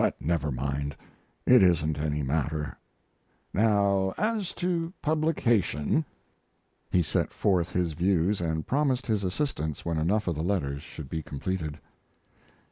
(But never mind, it isn't any matter.) Now as to publication He set forth his views and promised his assistance when enough of the letters should be completed.